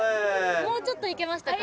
もうちょっといけましたかね？